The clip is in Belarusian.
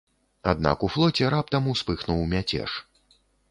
Аднак у флоце раптам успыхнуў мяцеж.